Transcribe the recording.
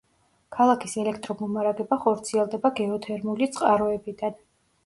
ქალაქის ელექტრომომარაგება ხორციელდება გეოთერმული წყაროებიდან.